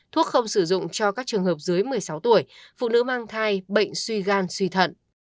thuốc không sử dụng cho các trường hợp dưới một mươi sáu tuổi phụ nữ mang thai bệnh suy gan suy thận